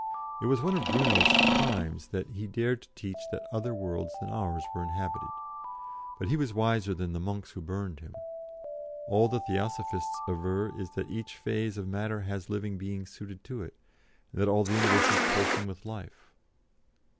It was one of Bruno's crimes that he dared to teach that other worlds than ours were inhabited; but he was wiser than the monks who burned him. All the Theosophists aver is that each phase of matter has living things suited to it, and that all the universe is pulsing with life.